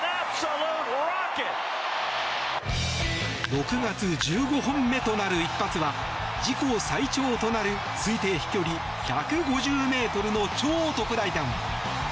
６月１５本目となる一発は自己最長となる推定飛距離１５０ｍの超特大弾。